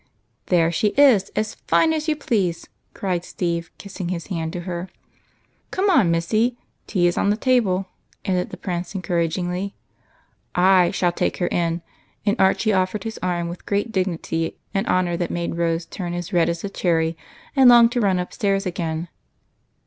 " There she is, as fine as you please," cried Steve, kissing his hand to her. 20 EIGHT COUSINS. " Come on, Missy ; tea is ready," added the Prince encouragingly. "/ shall take her in." And Archie offered his arm with great dignity, an honor that made Rose turn as red as a cherry and long to run upstairs again.